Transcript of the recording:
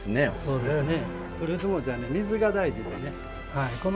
そうですね。